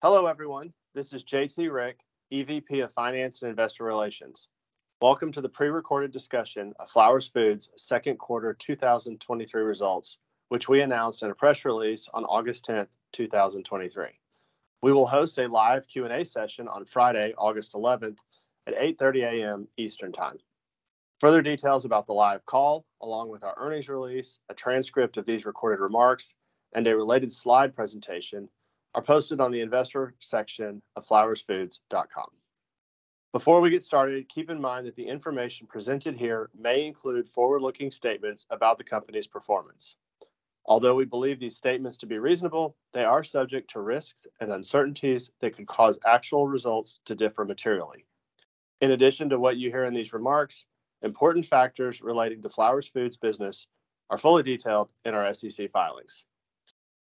Hello everyone, this is J.T. Rieck, EVP of Finance and Investor Relations. Welcome to the pre-recorded discussion of Flowers Foods' second quarter 2023 results, which we announced in a press release on August 10, 2023. We will host a live Q&A session on Friday, August 11, at 8:30 A.M. Eastern Time. Further details about the live call, along with our earnings release, a transcript of these recorded remarks, and a related slide presentation, are posted on the investor section of flowersfoods.com. Before we get started, keep in mind that the information presented here may include forward-looking statements about the company's performance. Although we believe these statements to be reasonable, they are subject to risks and uncertainties that could cause actual results to differ materially. In addition to what you hear in these remarks, important factors relating to Flowers Foods business are fully detailed in our SEC filings.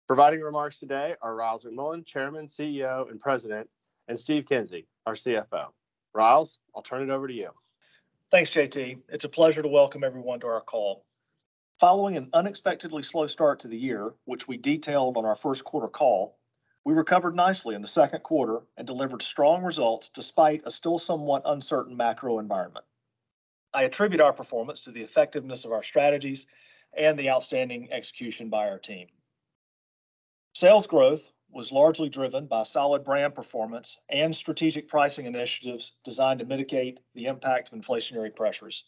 Providing remarks today are Ryals McMullian, Chairman, CEO, and President, and Steve Kinsey, our CFO. Ryals, I'll turn it over to you. Thanks, J.T. It's a pleasure to welcome everyone to our call. Following an unexpectedly slow start to the year, which we detailed on our first quarter call, we recovered nicely in the second quarter and delivered strong results, despite a still somewhat uncertain macro environment. I attribute our performance to the effectiveness of our strategies and the outstanding execution by our team. Sales growth was largely driven by solid brand performance and strategic pricing initiatives designed to mitigate the impact of inflationary pressures.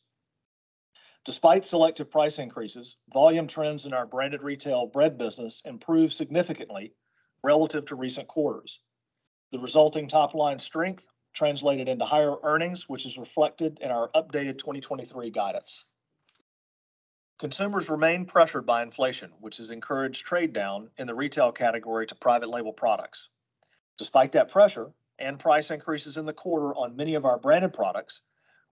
Despite selective price increases, volume trends in our branded retail bread business improved significantly relative to recent quarters. The resulting top-line strength translated into higher earnings, which is reflected in our updated 2023 guidance. Consumers remain pressured by inflation, which has encouraged trade down in the retail category to private label products. Despite that pressure and price increases in the quarter on many of our branded products,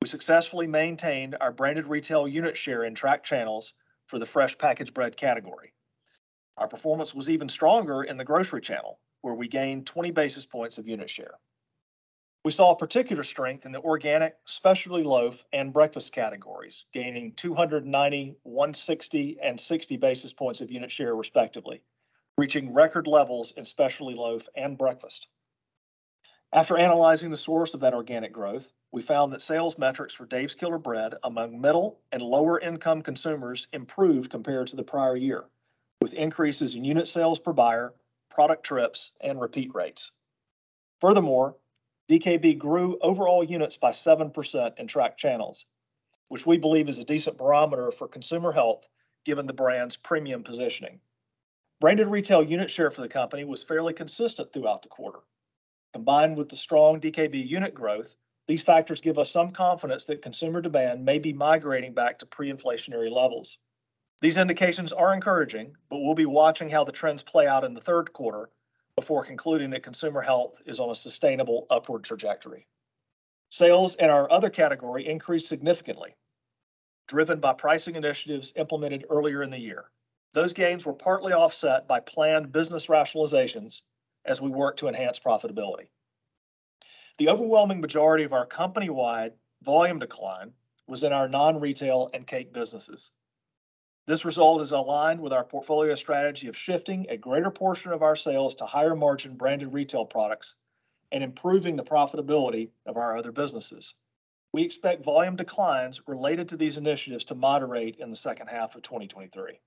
we successfully maintained our branded retail unit share in track channels for the fresh packaged bread category. Our performance was even stronger in the grocery channel, where we gained 20 basis points of unit share. We saw a particular strength in the organic, specialty loaf, and breakfast categories, gaining 290, 160, and 60 basis points of unit share, respectively, reaching record levels in specialty loaf and breakfast. After analyzing the source of that organic growth, we found that sales metrics for Dave's Killer Bread among middle- and lower-income consumers improved compared to the prior year, with increases in unit sales per buyer, product trips, and repeat rates. Furthermore, DKB grew overall units by 7% in track channels, which we believe is a decent barometer for consumer health, given the brand's premium positioning. Branded retail unit share for the company was fairly consistent throughout the quarter. Combined with the strong DKB unit growth, these factors give us some confidence that consumer demand may be migrating back to pre-inflationary levels. These indications are encouraging, but we'll be watching how the trends play out in the third quarter before concluding that consumer health is on a sustainable upward trajectory. Sales in our other category increased significantly, driven by pricing initiatives implemented earlier in the year. Those gains were partly offset by planned business rationalizations as we work to enhance profitability. The overwhelming majority of our company-wide volume decline was in our non-retail and cake businesses. This result is aligned with our portfolio strategy of shifting a greater portion of our sales to higher-margin branded retail products and improving the profitability of our other businesses. We expect volume declines related to these initiatives to moderate in the second half of 2023.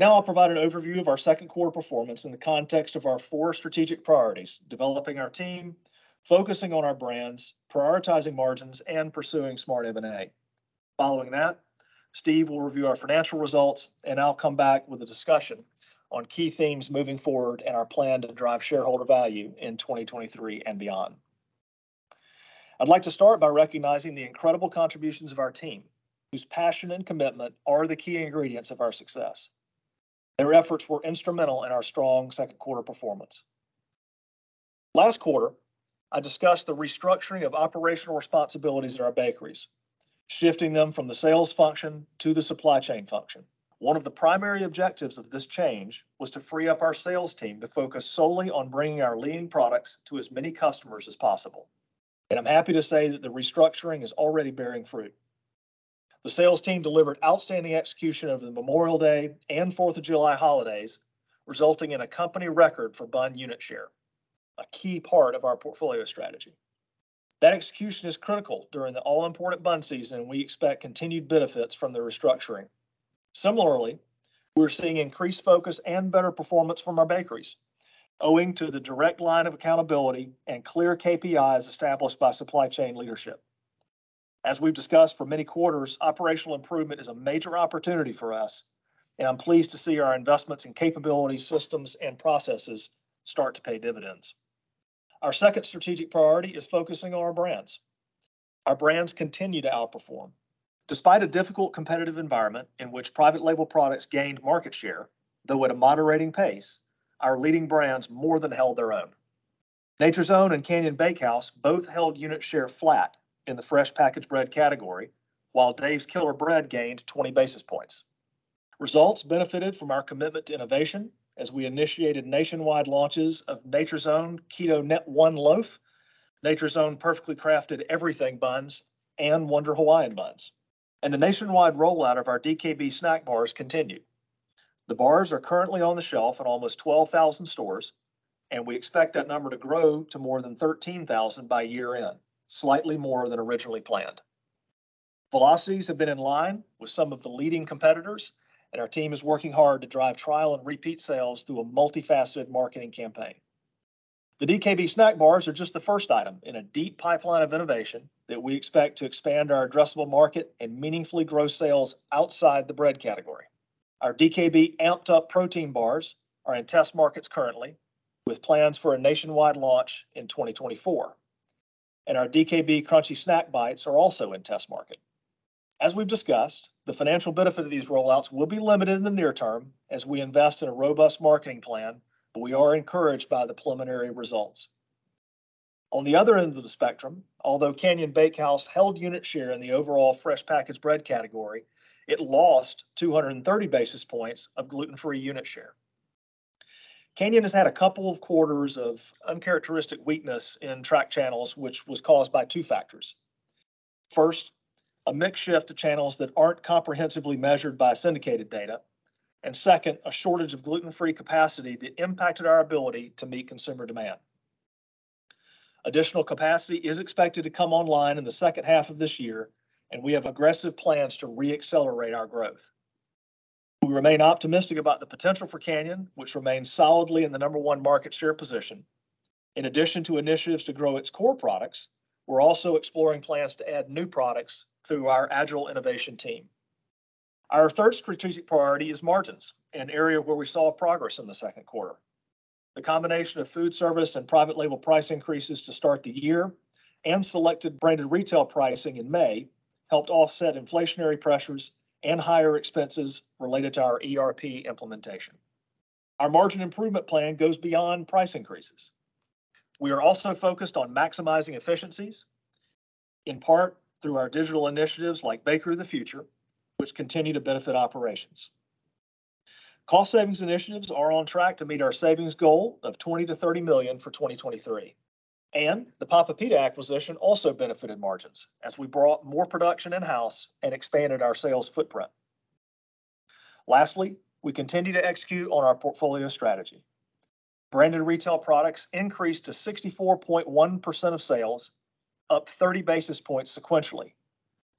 I'll provide an overview of our second quarter performance in the context of our 4 strategic priorities: developing our team, focusing on our brands, prioritizing margins, and pursuing smart M&A. Following that, Steve will review our financial results, and I'll come back with a discussion on key themes moving forward and our plan to drive shareholder value in 2023 and beyond. I'd like to start by recognizing the incredible contributions of our team, whose passion and commitment are the key ingredients of our success. Their efforts were instrumental in our strong second quarter performance. Last quarter, I discussed the restructuring of operational responsibilities at our bakeries, shifting them from the sales function to the supply chain function. One of the primary objectives of this change was to free up our sales team to focus solely on bringing our leading products to as many customers as possible, and I'm happy to say that the restructuring is already bearing fruit. The sales team delivered outstanding execution over the Memorial Day and Fourth of July holidays, resulting in a company record for bun unit share, a key part of our portfolio strategy. That execution is critical during the all-important bun season. We expect continued benefits from the restructuring. Similarly, we're seeing increased focus and better performance from our bakeries, owing to the direct line of accountability and clear KPIs established by supply chain leadership. As we've discussed for many quarters, operational improvement is a major opportunity for us, and I'm pleased to see our investments in capabilities, systems, and processes start to pay dividends. Our second strategic priority is focusing on our brands. Our brands continue to outperform. Despite a difficult competitive environment in which private label products gained market share, though at a moderating pace, our leading brands more than held their own. Nature's Own and Canyon Bakehouse both held unit share flat in the fresh packaged bread category, while Dave's Killer Bread gained 20 basis points. Results benefited from our commitment to innovation as we initiated nationwide launches of Nature's Own Keto Net-One Loaf, Nature's Own Perfectly Crafted Everything Buns, and Wonder Hawaiian Buns. The nationwide rollout of our DKB snack bars continued. The bars are currently on the shelf in almost 12,000 stores, and we expect that number to grow to more than 13,000 by year-end, slightly more than originally planned. Velocities have been in line with some of the leading competitors, and our team is working hard to drive trial and repeat sales through a multifaceted marketing campaign. The DKB snack bars are just the first item in a deep pipeline of innovation that we expect to expand our addressable market and meaningfully grow sales outside the bread category. Our DKB Amped-Up protein bars are in test markets currently, with plans for a nationwide launch in 2024, and our DKB Crunchy Snack Bites are also in test market. As we've discussed, the financial benefit of these rollouts will be limited in the near term as we invest in a robust marketing plan, but we are encouraged by the preliminary results. On the other end of the spectrum, although Canyon Bakehouse held unit share in the overall fresh packaged bread category, it lost 230 basis points of gluten-free unit share. Canyon has had a couple of quarters of uncharacteristic weakness in track channels, which was caused by two factors. First, a mix shift to channels that aren't comprehensively measured by syndicated data. Second, a shortage of gluten-free capacity that impacted our ability to meet consumer demand. Additional capacity is expected to come online in the second half of this year, and we have aggressive plans to re-accelerate our growth. We remain optimistic about the potential for Canyon, which remains solidly in the number 1 market share position. In addition to initiatives to grow its core products, we're also exploring plans to add new products through our agile innovation team. Our third strategic priority is margins, an area where we saw progress in the second quarter. The combination of food service and private label price increases to start the year and selected branded retail pricing in May helped offset inflationary pressures and higher expenses related to our ERP implementation. Our margin improvement plan goes beyond price increases. We are also focused on maximizing efficiencies, in part through our digital initiatives like Bakery of the Future, which continue to benefit operations. Cost savings initiatives are on track to meet our savings goal of $20 million-$30 million for 2023. The Papa Pita Bakery acquisition also benefited margins as we brought more production in-house and expanded our sales footprint. Lastly, we continue to execute on our portfolio strategy. Branded retail products increased to 64.1% of sales, up 30 basis points sequentially,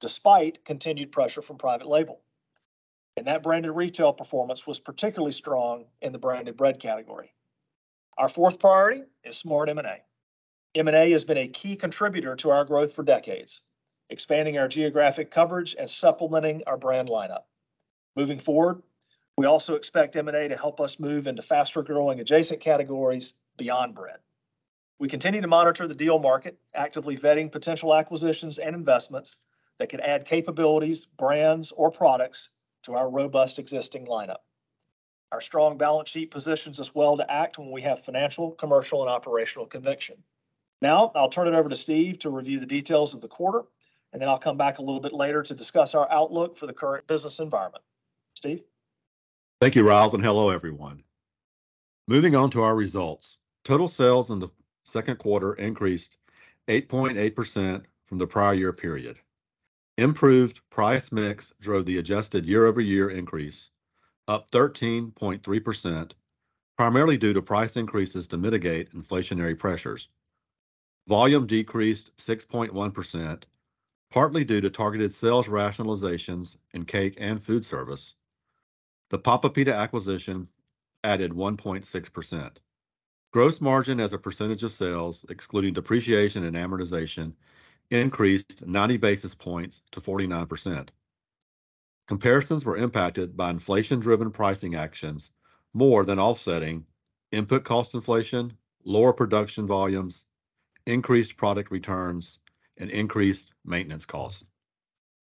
despite continued pressure from private label. That branded retail performance was particularly strong in the branded bread category. Our fourth priority is smart M&A. M&A has been a key contributor to our growth for decades, expanding our geographic coverage and supplementing our brand lineup. Moving forward, we also expect M&A to help us move into faster-growing adjacent categories beyond bread. We continue to monitor the deal market, actively vetting potential acquisitions and investments that could add capabilities, brands, or products to our robust existing lineup. Our strong balance sheet positions us well to act when we have financial, commercial, and operational conviction. I'll turn it over to Steve to review the details of the quarter, and then I'll come back a little bit later to discuss our outlook for the current business environment. Steve? Thank you, Ryals, and hello, everyone. Moving on to our results. Total sales in the second quarter increased 8.8% from the prior year period. Improved price mix drove the adjusted year-over-year increase, up 13.3%, primarily due to price increases to mitigate inflationary pressures. Volume decreased 6.1%, partly due to targeted sales rationalizations in cake and food service. The Papa Pita acquisition added 1.6%. Gross margin as a percentage of sales, excluding depreciation and amortization, increased 90 basis points to 49%. Comparisons were impacted by inflation-driven pricing actions, more than offsetting input cost inflation, lower production volumes, increased product returns, and increased maintenance costs.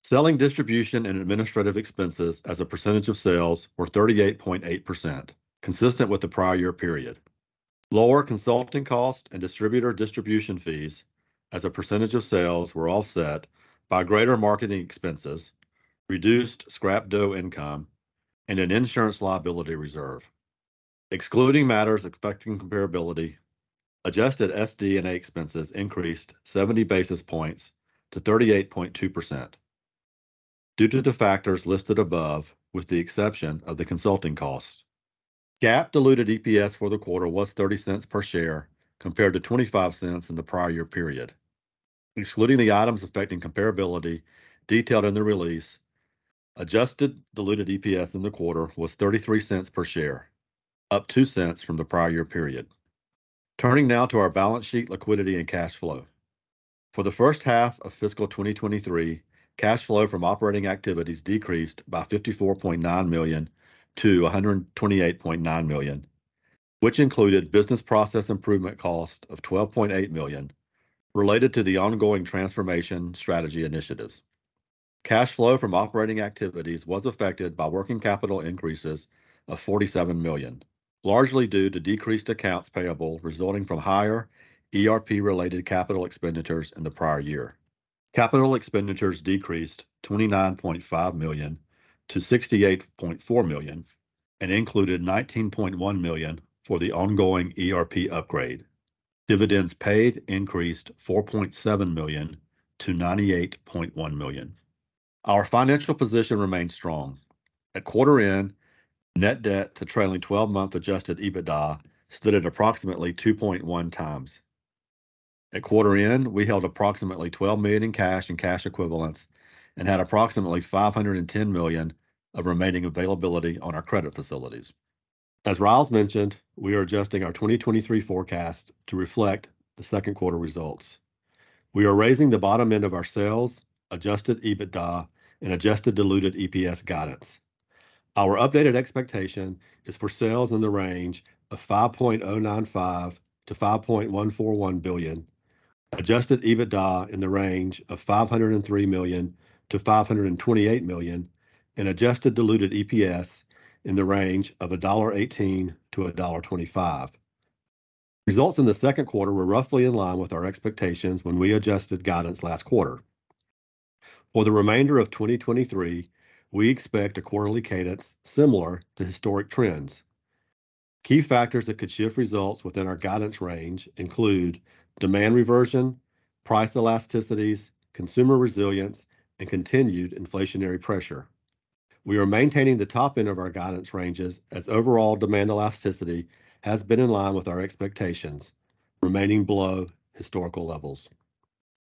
Selling, distribution, and administrative expenses as a percentage of sales were 38.8%, consistent with the prior year period. Lower consulting costs and distributor distribution fees as a percentage of sales were offset by greater marketing expenses, reduced scrap dough income, and an insurance liability reserve. Excluding matters affecting comparability, adjusted SD&A expenses increased 70 basis points to 38.2% due to the factors listed above, with the exception of the consulting cost. GAAP diluted EPS for the quarter was $0.30 per share, compared to $0.25 in the prior year period. Excluding the items affecting comparability detailed in the release, adjusted diluted EPS in the quarter was $0.33 per share, up $0.02 from the prior year period. Turning now to our balance sheet, liquidity, and cash flow. For the first half of fiscal 2023, cash flow from operating activities decreased by $54.9 million to $128.9 million, which included business process improvement cost of $12.8 million related to the ongoing transformation strategy initiatives. Cash flow from operating activities was affected by working capital increases of $47 million, largely due to decreased accounts payable, resulting from higher ERP-related capital expenditures in the prior year. Capital expenditures decreased $29.5 million to $68.4 million and included $19.1 million for the ongoing ERP upgrade. Dividends paid increased $4.7 million to $98.1 million. Our financial position remains strong. At quarter end, net debt to trailing 12-month adjusted EBITDA stood at approximately 2.1x. At quarter end, we held approximately $12 million in cash and cash equivalents and had approximately $510 million of remaining availability on our credit facilities. As Ryals mentioned, we are adjusting our 2023 forecast to reflect the second quarter results. We are raising the bottom end of our sales, adjusted EBITDA, and adjusted diluted EPS guidance. Our updated expectation is for sales in the range of $5.095 billion-$5.141 billion, adjusted EBITDA in the range of $503 million-$528 million, and adjusted diluted EPS in the range of $1.18-$1.25. Results in the second quarter were roughly in line with our expectations when we adjusted guidance last quarter. For the remainder of 2023, we expect a quarterly cadence similar to historic trends. Key factors that could shift results within our guidance range include demand reversion, price elasticities, consumer resilience, and continued inflationary pressure. We are maintaining the top end of our guidance ranges as overall demand elasticity has been in line with our expectations, remaining below historical levels.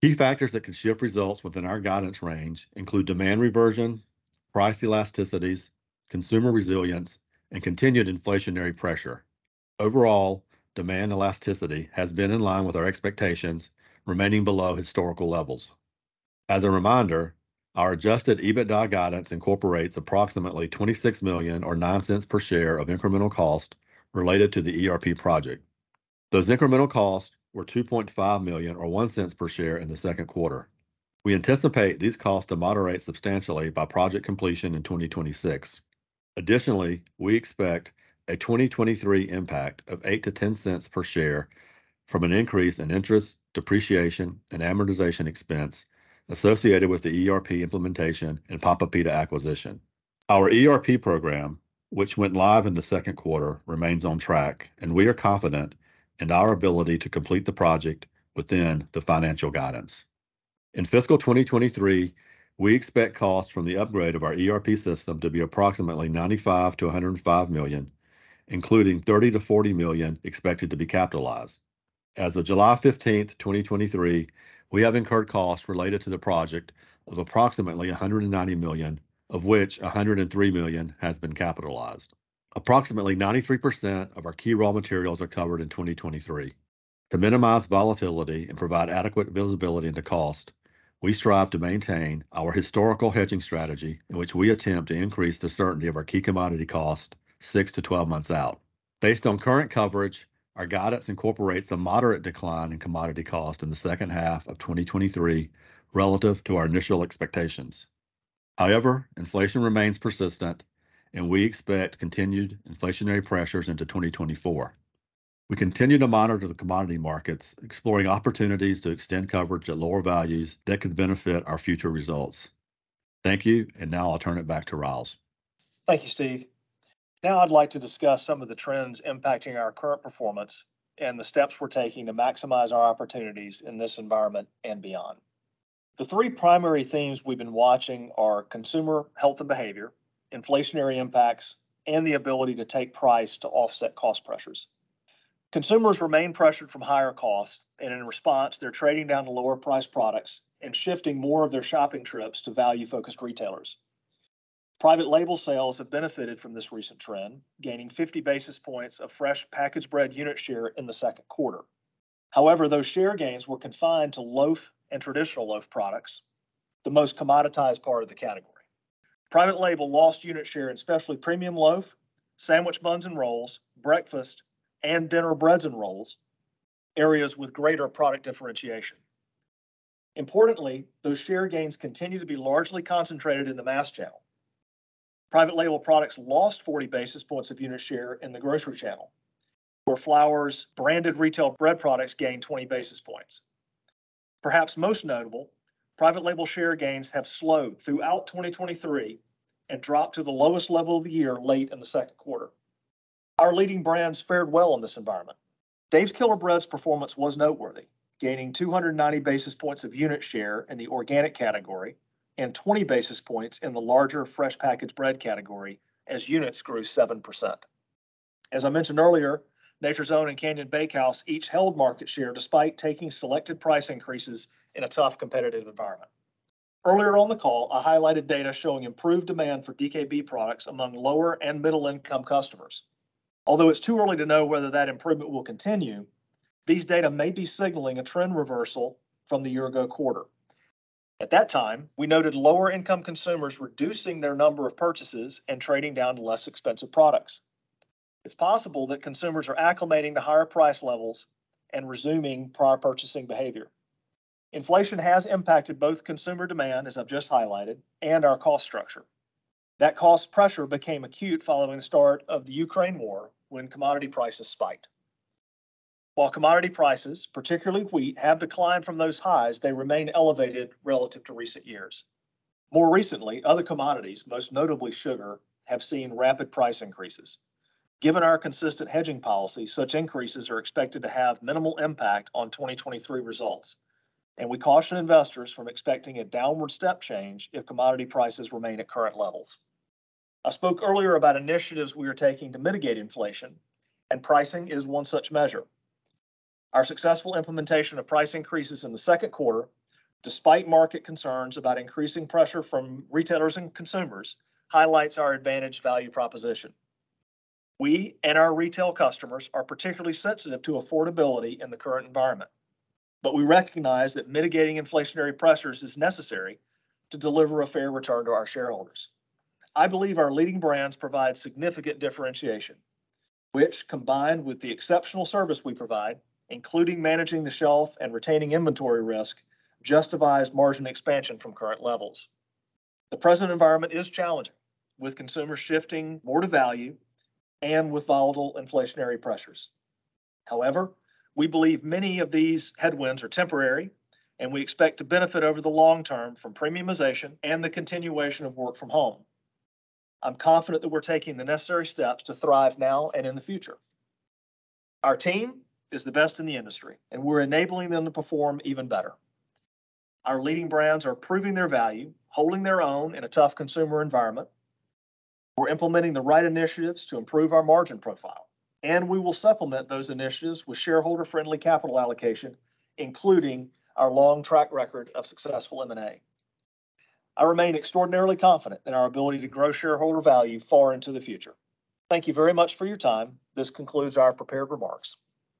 Key factors that could shift results within our guidance range include demand reversion, price elasticities, consumer resilience, and continued inflationary pressure. Overall, demand elasticity has been in line with our expectations, remaining below historical levels. As a reminder, our adjusted EBITDA guidance incorporates approximately $26 million, or $0.09 per share, of incremental cost related to the ERP project. Those incremental costs were $2.5 million, or $0.01 per share, in the second quarter. We anticipate these costs to moderate substantially by project completion in 2026. Additionally, we expect a 2023 impact of $0.08-$0.10 per share from an increase in interest, depreciation, and amortization expense associated with the ERP implementation and Papa Pita acquisition. Our ERP program, which went live in the second quarter, remains on track, and we are confident in our ability to complete the project within the financial guidance. In fiscal 2023, we expect costs from the upgrade of our ERP system to be approximately $95 million-$105 million, including $30 million-$40 million expected to be capitalized. As of July 15th, 2023, we have incurred costs related to the project of approximately $190 million, of which $103 million has been capitalized. Approximately 93% of our key raw materials are covered in 2023. To minimize volatility and provide adequate visibility into cost, we strive to maintain our historical hedging strategy, in which we attempt to increase the certainty of our key commodity cost 6 to 12 months out. Based on current coverage, our guidance incorporates a moderate decline in commodity cost in the second half of 2023 relative to our initial expectations. However, inflation remains persistent, and we expect continued inflationary pressures into 2024. We continue to monitor the commodity markets, exploring opportunities to extend coverage at lower values that could benefit our future results. Thank you, and now I'll turn it back to Ryals. Thank you, Steve. I'd like to discuss some of the trends impacting our current performance and the steps we're taking to maximize our opportunities in this environment and beyond. The 3 primary themes we've been watching are consumer health and behavior, inflationary impacts, and the ability to take price to offset cost pressures. Consumers remain pressured from higher costs, and in response, they're trading down to lower-priced products and shifting more of their shopping trips to value-focused retailers. Private label sales have benefited from this recent trend, gaining 50 basis points of fresh packaged bread unit share in the second quarter. Those share gains were confined to loaf and traditional loaf products, the most commoditized part of the category. Private label lost unit share in specialty premium loaf, sandwich buns and rolls, breakfast and dinner breads and rolls, areas with greater product differentiation. Importantly, those share gains continue to be largely concentrated in the mass channel. Private label products lost 40 basis points of unit share in the grocery channel, where Flowers' branded retail bread products gained 20 basis points. Perhaps most notable, private label share gains have slowed throughout 2023 and dropped to the lowest level of the year late in the second quarter. Our leading brands fared well in this environment. Dave's Killer Bread's performance was noteworthy, gaining 290 basis points of unit share in the organic category and 20 basis points in the larger fresh packaged bread category as units grew 7%. As I mentioned earlier, Nature's Own and Canyon Bakehouse each held market share despite taking selected price increases in a tough competitive environment. Earlier on the call, I highlighted data showing improved demand for DKB products among lower- and middle-income customers. Although it's too early to know whether that improvement will continue, these data may be signaling a trend reversal from the year-ago quarter. At that time, we noted lower-income consumers reducing their number of purchases and trading down to less expensive products. It's possible that consumers are acclimating to higher price levels and resuming prior purchasing behavior. Inflation has impacted both consumer demand, as I've just highlighted, and our cost structure. That cost pressure became acute following the start of the Ukraine war when commodity prices spiked. While commodity prices, particularly wheat, have declined from those highs, they remain elevated relative to recent years. More recently, other commodities, most notably sugar, have seen rapid price increases. Given our consistent hedging policy, such increases are expected to have minimal impact on 2023 results, and we caution investors from expecting a downward step change if commodity prices remain at current levels. I spoke earlier about initiatives we are taking to mitigate inflation. Pricing is one such measure. Our successful implementation of price increases in the second quarter, despite market concerns about increasing pressure from retailers and consumers, highlights our advantage value proposition. We and our retail customers are particularly sensitive to affordability in the current environment. We recognize that mitigating inflationary pressures is necessary to deliver a fair return to our shareholders. I believe our leading brands provide significant differentiation, which, combined with the exceptional service we provide, including managing the shelf and retaining inventory risk, justifies margin expansion from current levels. The present environment is challenging, with consumers shifting more to value and with volatile inflationary pressures. We believe many of these headwinds are temporary, and we expect to benefit over the long term from premiumization and the continuation of work from home. I'm confident that we're taking the necessary steps to thrive now and in the future. Our team is the best in the industry. We're enabling them to perform even better. Our leading brands are proving their value, holding their own in a tough consumer environment. We're implementing the right initiatives to improve our margin profile. We will supplement those initiatives with shareholder-friendly capital allocation, including our long track record of successful M&A. I remain extraordinarily confident in our ability to grow shareholder value far into the future. Thank you very much for your time. This concludes our prepared remarks.